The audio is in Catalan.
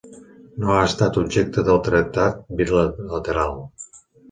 No ha estat objecte de tractat bilateral.